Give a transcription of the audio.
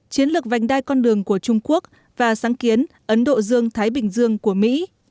chiến lược vành đai con đường của trung quốc và sáng kiến ấn độ dương thái bình dương của mỹ